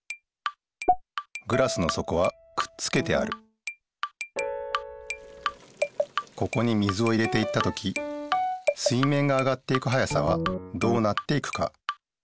グラスのそこはくっつけてあるここに水を入れていった時水面が上がっていく速さはどうなっていくか。